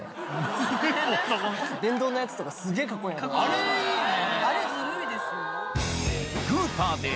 あれいいね。